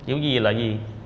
yêu gì là gì